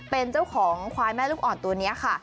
เป็นเจ้าของควายแม่ลูกอ่อนตัวนี้ค่ะ